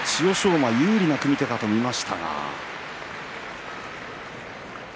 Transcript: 馬、有利な組み手かと見ましたが。